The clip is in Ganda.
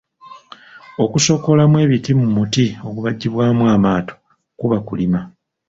Okusokoolamu ebiti mu muti ogubajjibwamu amaato kuba kulima.